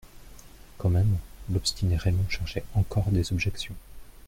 Quand même, l'obstiné Raymond cherchait encore des objections.